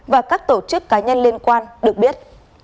và các tổ chức cá nhân liên quan được biết